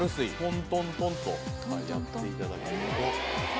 トントントンとやって頂けると。